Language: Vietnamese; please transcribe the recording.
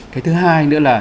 cái thứ hai nữa là